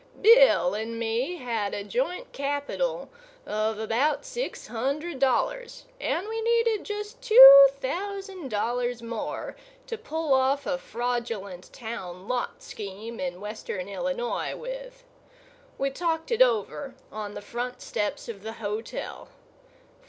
Bill and me had a joint capital of about six hundred dollars, and we needed just two thousand dollars more to pull off a fraudulent town lot scheme in Western Illinois with. We talked it over on the front steps of the hotel.